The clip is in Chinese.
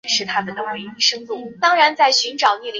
与其他沿海地区不同。